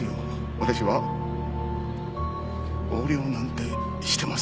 私は横領なんてしてません。